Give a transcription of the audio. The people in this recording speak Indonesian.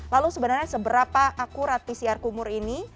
lalu sebenarnya seberapa akurat pcr kumur ini